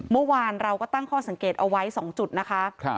เมื่อวานเราก็ตั้งข้อสังเกตเอาไว้๒จุดนะคะ